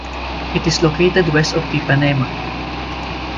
It is located west of Ipanema.